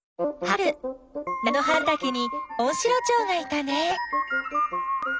春なの花ばたけにモンシロチョウがいたね。